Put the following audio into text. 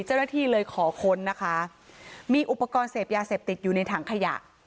เจ้าหน้าที่เลยขอค้นนะคะมีอุปกรณ์เสพยาเสพติดอยู่ในถังขยะ